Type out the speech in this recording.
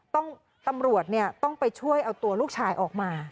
ต้องตำรวจเนี่ยต้องไปช่วยเอาตัวลูกชายออกมา